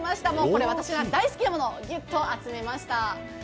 これ、私が大好きなものをギュッと集めました。